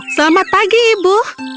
selamat pagi ibu